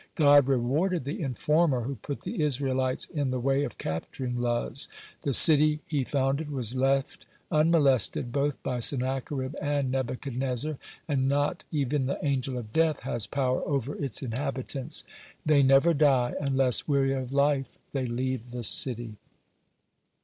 God rewarded the informer who put the Israelites in the way of capturing Luz. The city he founded was left unmolested both by Sennacherib and Nebuchadnezzar, and not event the Angel of Death has power over its inhabitants. They never die, unless, weary of life, they leave the city.